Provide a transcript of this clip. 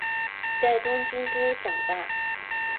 在东京都长大。